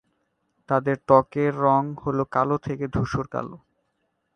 তাদের ত্বকের রঙ হল কালো থেকে ধূসর কালো।